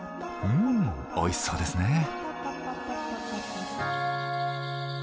うんおいしそうですね。